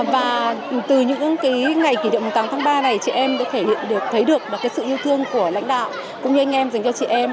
và từ những ngày kỷ niệm tám tháng ba này chị em đã thể hiện được thấy được sự yêu thương của lãnh đạo cũng như anh em dành cho chị em